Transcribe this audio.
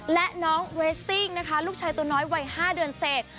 และน้องเรสซิ่งนะคะลูกชายตัวน้อยวัย๕เดือนเสร็จ